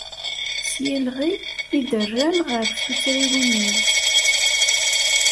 S yilɣi i d-rran ɣef tuttriwin-iw.